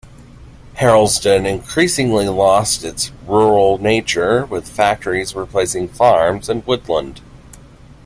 Harlesden increasingly lost its rural nature, with factories replacing farms and woodland.